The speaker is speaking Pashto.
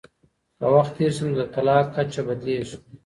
که وخت تېر سي نو د طلاق کچه بدلیږي.